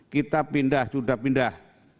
kita pindah sudah pindah